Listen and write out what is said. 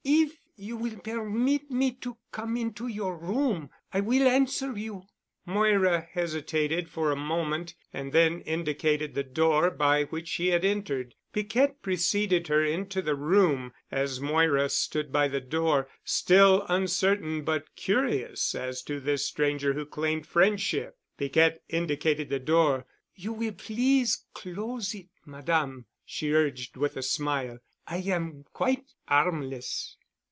"If you will permit me to come into your room I will answer you." Moira hesitated for a moment, and then indicated the door by which she had entered. Piquette preceded her into the room, as Moira stood by the door, still uncertain but curious as to this stranger who claimed friendship. Piquette indicated the door. "You will please close it, Madame," she urged with a smile. "I am quite 'armless."